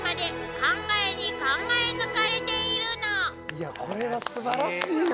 いやこれはすばらしいわ！